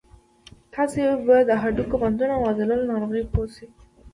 تاسې به د هډوکو، بندونو او عضلو له ناروغیو پوه شئ.